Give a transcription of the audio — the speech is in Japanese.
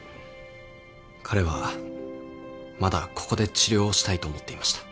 彼はまだここで治療をしたいと思っていました。